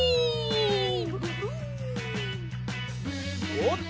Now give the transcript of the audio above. おおっと！